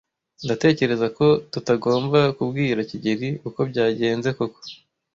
Ndatekereza ko tutagomba kubwira kigeli uko byagenze koko.